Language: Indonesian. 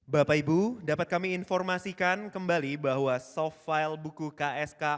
bapak ibu dapat kami informasikan kembali bahwa soft file buku ksk